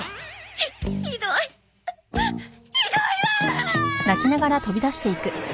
ひっひどいひどいわっ！